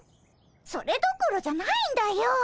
それどころじゃないんだよ。